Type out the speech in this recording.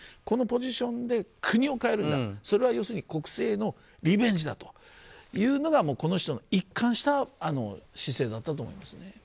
このポジションで国を変えるんだ、それは要するに国政のリベンジだというのがこの人の一貫した姿勢だったと思います。